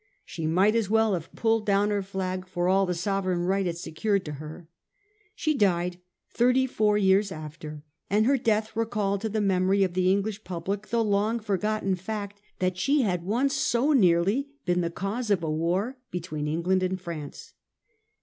She might as well have pulled down her flag for all the sovereign right it secured to her. She died thirty four years after, and her death recalled to the memory of the English public the long forgotten fact that she had once so nearly been the cause of a war between England and France.